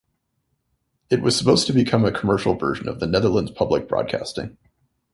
It was supposed to become a commercial version of the Netherlands Public Broadcasting.